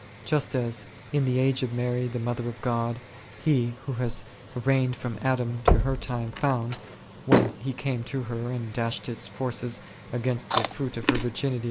Just as, in the age of Mary the mother of God, he who had reigned from Adam to her time found, when he came to her and dashed his forces against the fruit of her virginity as against a 1 i Tim.